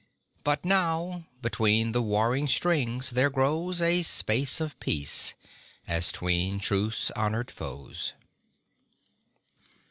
But now between the warring strings there grows A space of peace, as 'tween truce honoured foes.